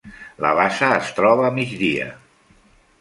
La bassa es troba a migdia.